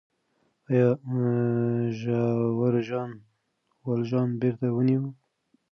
آیا ژاور ژان والژان بېرته ونیوه؟